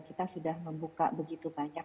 kita sudah membuka begitu banyak